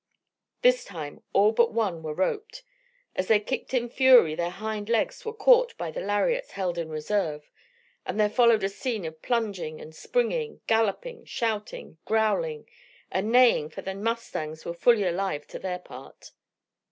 This time all but one were roped; as they kicked in fury, their hind legs were caught by the lariats held in reserve; and there followed a scene of plunging and springing, galloping, shouting, growling; and neighing, for the mustangs were fully alive to their part.